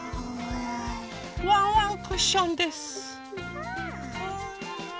ワンワンクッションです。